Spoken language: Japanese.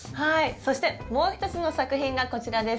そしてもう一つの作品がこちらです。